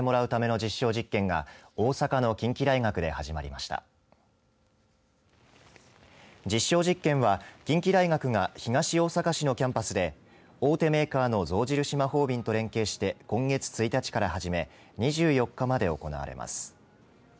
実証実験は近畿大学が東大阪市のキャンパスで大手メーカーの象印マホービンと連携して今月１日から始め２４日まで行われます。